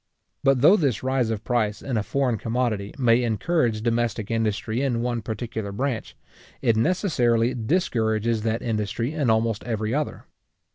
But though this rise of price in a foreign commodity, may encourage domestic industry in one particular branch, it necessarily discourages that industry in almost every other.